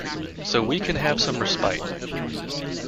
So we could have some respite.